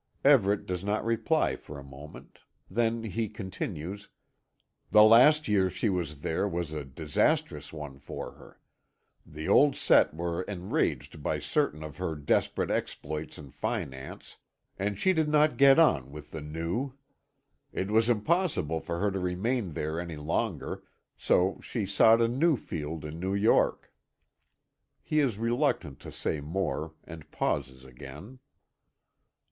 Everet does not reply for a moment; then he continues: "The last year she was there was a disastrous one for her. The old set were enraged by certain of her desperate exploits in finance, and she did not get on with the new. It was impossible for her to remain there any longer, so she sought a new field in New York." He is reluctant to say more, and pauses again.